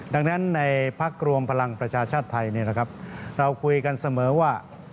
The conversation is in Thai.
ดังนั้นในพักรวมพลังประชาชาติไทยเราคุยกันเสมอว่า